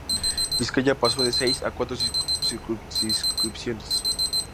Vizcaya pasó de seis a cuatro circunscripciones.